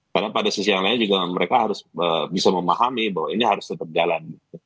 karena pada sisi yang lain juga mereka harus bisa memahami bahwa ini harus tetap jalan gitu